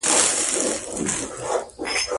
د حکومت آخري میاشت او سقوط ته نږدې